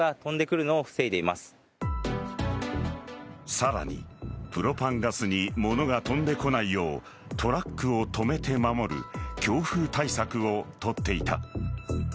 さらに、プロパンガスに物が飛んでこないようトラックを止めて守る強風対策をとっていた。